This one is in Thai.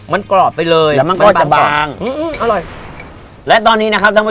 บอกได้เลยว่าอร่อยเชียบ